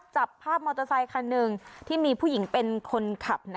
จับภาพมอเตอร์ไซคันหนึ่งที่มีผู้หญิงเป็นคนขับ